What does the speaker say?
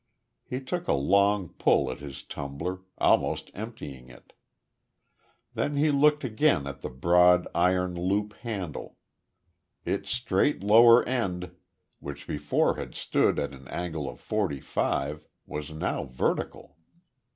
He took a long pull at his tumbler, almost emptying it. Then he looked again at the broad iron loop handle. Its straight lower end, which before had stood at an angle of forty five, was now vertical.